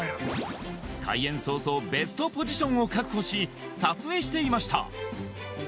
開園早々ベストポジションを確保し撮影していました